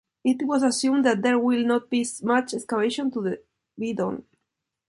It was assumed that there will not be much excavation to be done.